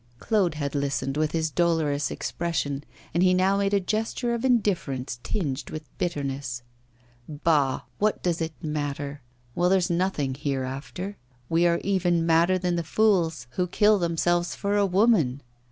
Claude had listened with his dolorous expression, and he now made a gesture of indifference tinged with bitterness. 'Bah! what does it matter? Well, there's nothing hereafter. We are even madder than the fools who kill themselves for a woman.